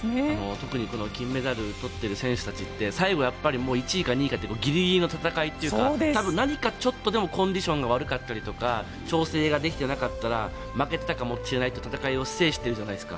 特に金メダルを取っている選手たちって最後やっぱり１位か２位かってギリギリの戦いというか多分何かちょっとでもコンディションが悪かったりとか調整ができていなかったら負けていたかもしれない戦いを制しているじゃないですか。